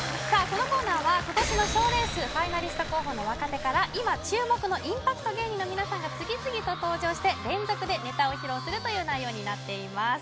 このコーナーは今年の賞レースファイナリスト候補の若手から今注目のインパクト芸人の皆さんが次々と登場して連続でネタを披露するという内容になっています